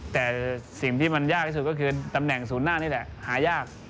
แต่สิ่งที่มันยากที่สุดก็คือตำแหน่งศูนย์หน้านี่แหละหายาก